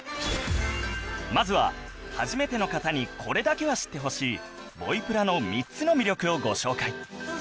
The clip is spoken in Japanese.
まずは初めての方にこれだけは知ってほしい『ボイプラ』の３つの魅力をご紹介